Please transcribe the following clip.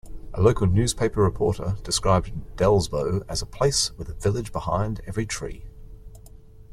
A local newspaper-reporter described Delsbo as a place with "a village behind every tree".